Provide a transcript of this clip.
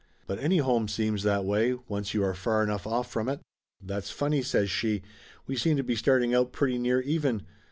But any home seems that way, once you are far enough off from it. "That's funny !" says she. "We seem to be starting out pretty near even.